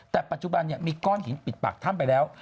แต่ปัจจุบันมีก้อนหินปิดปากถ้ำไปแล้ว